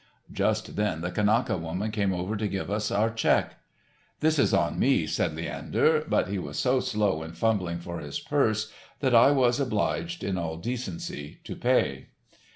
Just then the Kanaka woman came over to give us our check. "This is on me," said Leander, but he was so slow in fumbling for his purse that I was obliged, in all decency, to pay.